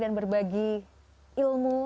dan berbagi ilmu